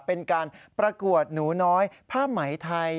เป็นการประกวดหนูน้อยผ้าไหมไทย